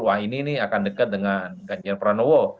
wah ini nih akan dekat dengan gajian pranowo